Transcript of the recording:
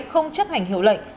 không chấp hành hiệu lệnh